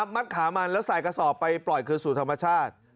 มัดขามันแล้วใส่กระสอบไปปล่อยคืนสู่ธรรมชาติ